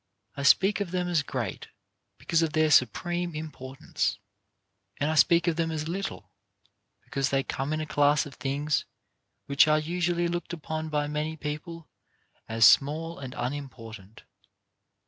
I speak of them as great, because of their supreme importance, and I speak of them as little, because they come in a class of things which are usually looked upon by many people as small and unimportant.